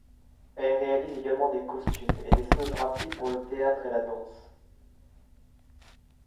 Elle réalise également des costumes et des scénographies pour le théâtre et la danse.